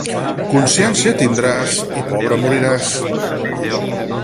Consciència tindràs i pobre moriràs.